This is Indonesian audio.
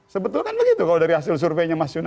sebetulnya kan begitu kalau dari hasil surveinya mas yunus